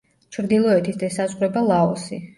ჩრდილოეთით ესაზღვრება ლაოსი.